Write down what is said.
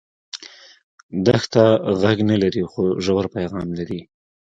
دښته غږ نه لري خو ژور پیغام لري.